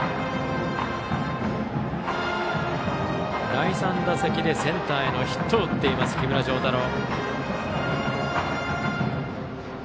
第３打席でセンターへのヒットを打っているバッターの木村星太朗。